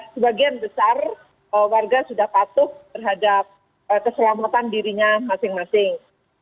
sebagian besar warga sudah patuh terhadap keselamatan dirinya masing masing